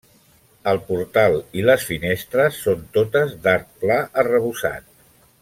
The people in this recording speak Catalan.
El portal i les finestres són totes d'arc pla arrebossat.